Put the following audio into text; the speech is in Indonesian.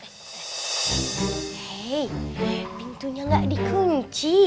hei pintunya gak dikunci